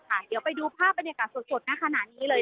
เดี๋ยวไปดูภาพบรรยากาศสดในขณะนี้เลย